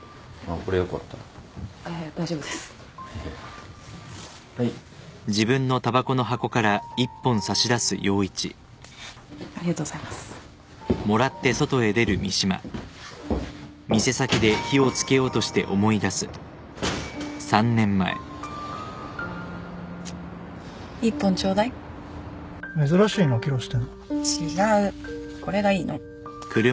これがいいの